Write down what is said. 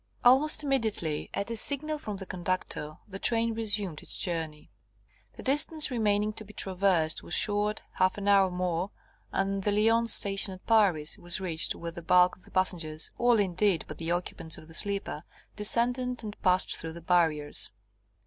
Almost immediately, at a signal from the conductor, the train resumed its journey. The distance remaining to be traversed was short; half an hour more, and the Lyons station, at Paris, was reached, where the bulk of the passengers all, indeed, but the occupants of the sleeper descended and passed through the barriers.